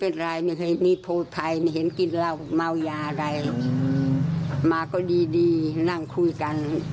นี่นะคะ